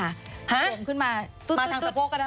ห๊ะมาทางสะโพกก็ได้